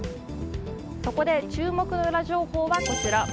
そこで注目のウラ情報がこちら。